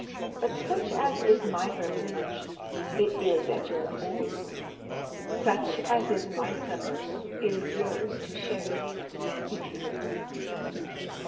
But such as is my hermitage, it is at your disposal; such as is my supper, it is yours to share, if you will.